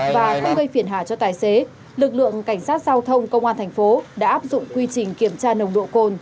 sau một tuần gia quân đội cảnh sát giao thông công an tp vinh đã lập biên bản một mươi sáu trường hợp vi phạm về nông độ cồn